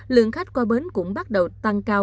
lượng khách qua bến cũng bắt đầu tăng cao